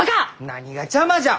なにが「邪魔」じゃ！